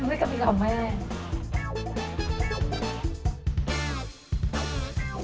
น้องคือกะปิของแม่